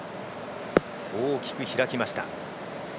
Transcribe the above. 大きく開きました。